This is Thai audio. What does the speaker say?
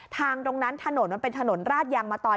ทางตรงนั้นถนนเป็นถนนราดยางมาตอย